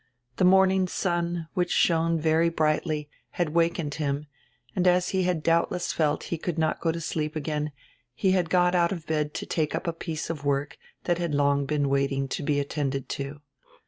The morning sun, which shone very brightly, had wakened him and as he had doubtless felt he could not go to sleep again he had got out of bed to take up a piece of work that had long been waiting to be attended to.